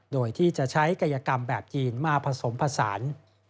โดยที่จะใช้กายกรรมแบบจีนมาผสมผสาน